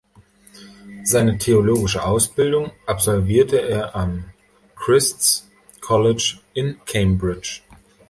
Seine theologische Ausbildung absolvierte er am Christ’s College in Cambridge.